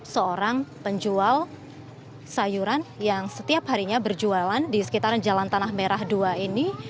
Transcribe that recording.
seorang penjual sayuran yang setiap harinya berjualan di sekitar jalan tanah merah dua ini